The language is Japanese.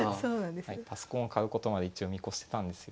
パソコンを買うことまで一応見越してたんですよ。